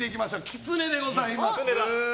きつねでございます。